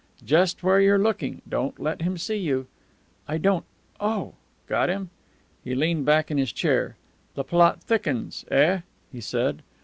"Just where you're looking. Don't let him see you." "I don't Oh!" "Got him?" He leaned back in his chair. "The plot thickens, eh?" he said.